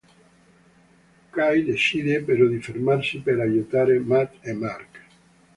Kay decide però di fermarsi per aiutare Matt e Mark.